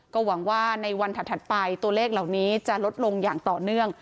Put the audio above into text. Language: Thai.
ก็หวังว่าในวันถัดไปตัวเลขเหล่านี้จะลดลงอย่างต่อเนื่อง